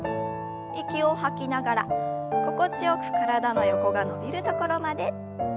息を吐きながら心地よく体の横が伸びるところまで。